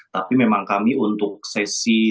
tapi memang kami untuk sesi sesi ini